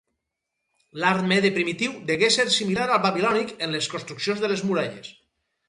L'art mede primitiu degué ser similar al babilònic en les construccions de les muralles.